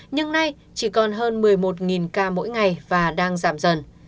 nhưng nay chỉ còn hơn một mươi một ca mỗi ngày và đang giảm dần